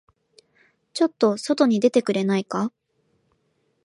ちょっと外に出てくれないか。